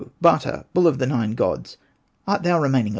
Bata, bull of the Nine Gods, art thou remaining alone?